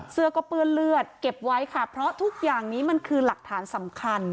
เสื้อก็เปื้อนเลือดเก็บไว้ค่ะเพราะทุกอย่างนี้มันคือหลักฐานสำคัญ